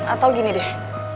atau gini deh